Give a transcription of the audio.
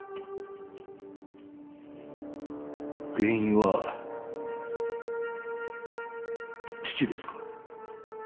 原因は父ですか？